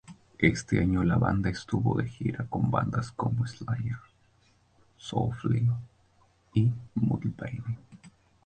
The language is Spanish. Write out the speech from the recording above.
Ese año la banda estuvo de gira con bandas como Slayer, Soulfly, y Mudvayne.